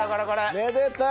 めでたい！